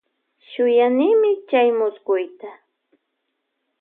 Shuyanimi chay muskuyta.